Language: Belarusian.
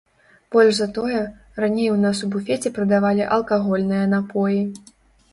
Больш за тое, раней у нас у буфеце прадавалі алкагольныя напоі.